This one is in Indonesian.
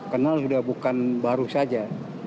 kenal sudah bukan baru saja